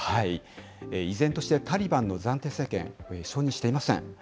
依然として、タリバンの暫定政権、承認していません。